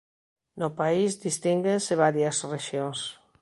No país distínguense varias rexións.